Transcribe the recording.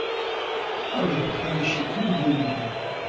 Также подходящие книги и люди.